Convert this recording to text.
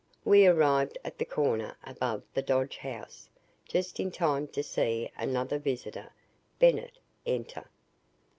We arrived at the corner above the Dodge house just in time to see another visitor Bennett enter.